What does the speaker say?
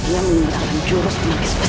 dia menggunakan jurus penangkis wesi